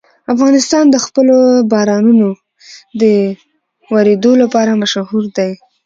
افغانستان د خپلو بارانونو د اورېدو لپاره مشهور دی.